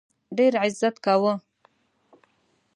ډېر عزت کاوه.